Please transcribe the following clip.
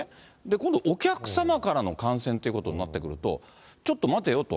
今度、お客様からの感染ということになってくると、ちょっと待てよと。